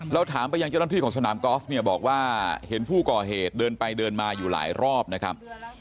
เราถามไปยังเจ้าหน้าที่ของสนามกอล์ฟเนี่ยบอกว่าเห็นผู้ก่อเหตุเดินไปเดินมาอยู่หลายรอบนะครับ